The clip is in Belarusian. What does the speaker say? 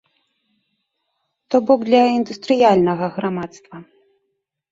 То бок для індустрыяльнага грамадства.